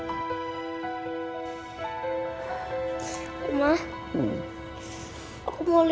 aku mau liat foto mama boleh kan oma mama punya kan